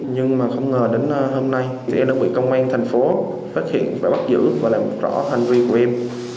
nhưng mà không ngờ đến hôm nay thì em đã bị công an thành phố phát hiện và bắt giữ và làm rõ hành vi của em